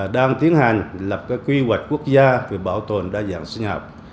đang tiến hành lập quy hoạch quốc gia về bảo tồn đa dạng sinh học